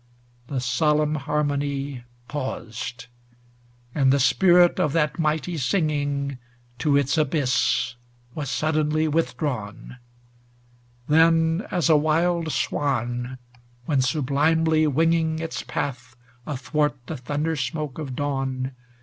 ŌĆö The solemn harmony XIX Paused, and the Spirit of that mighty sing ing To its abyss was suddenly withdrawn; Then as a wild swan, when sublimely wing ing Its path athwart the thunder smoke of dawn.